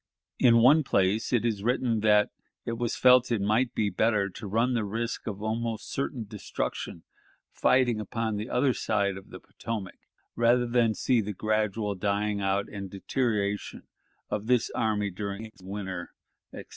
In one place it is written that "it was felt it might be better to run the risk of almost certain destruction fighting upon the other side of the Potomac, rather than see the gradual dying out and deterioration of this army during a winter," etc.